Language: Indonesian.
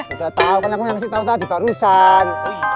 udah tau kan aku yang kasih tau tadi barusan